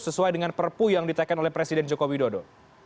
sesuai dengan perpu yang ditekan oleh presiden jokowi dodo